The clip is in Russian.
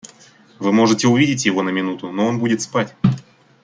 Вы можете увидеть его на минуту, но он будет спать.